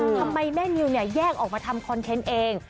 ทำไมแม่นิวเนี่ยแยกออกมาทำคอนเทนต์เอง